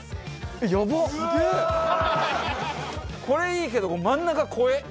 これいいけど真ん中怖え！